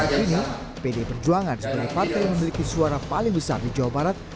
kini pdi perjuangan sebagai partai yang memiliki suara paling besar di jawa barat